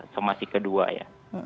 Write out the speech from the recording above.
semasi kedua ya